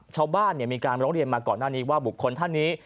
ชาวบ้านมีการร้องเรียนมาก่อนหน้านี้ว่าบุคคลท่านนี้